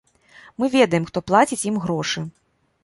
Мы ведаем, хто плаціць ім грошы.